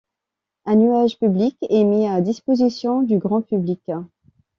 Un nuage public est mis à disposition du grand public.